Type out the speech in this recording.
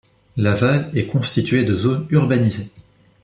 L'aval est constitué de zones urbanisées.